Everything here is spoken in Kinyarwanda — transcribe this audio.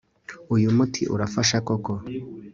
uyu muti urafasha koko